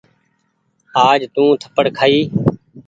آج تونٚ ٿپڙ کآئي ۔